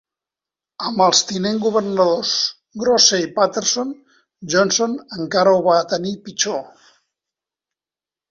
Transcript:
Amb els tinent governadors Grose i Paterson, Johnson encara ho va tenir pitjor.